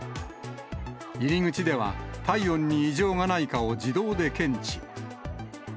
入り口では、体温に異常がないかを自動で検知。